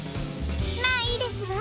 まあいいですわ。